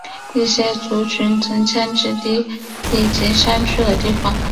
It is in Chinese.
一些族群曾迁徙到低地及山区的地方。